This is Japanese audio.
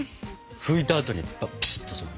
拭いたあとにピシッとする。